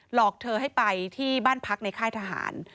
หลอกเธอให้ไปที่บ้านพักในค่ายทหาร